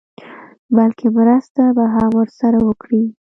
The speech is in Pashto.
بلکې مرسته به هم ورسره وکړي.